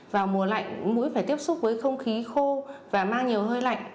vào mùa lạnh mũi phải tiếp xúc với không khí khô và mang nhiều hơi lạnh